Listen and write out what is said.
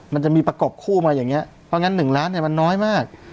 มันจะมีประกบคู่มาอย่างนี้เพราะงั้น๑ล้านเนี่ยมันน้อยมาก